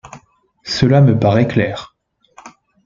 Cela me paraît clair...